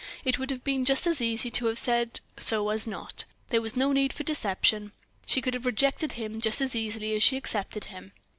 It would have been just as easy to have said so as not. There was no need for the deception. She could have rejected him just as easily as she accepted him.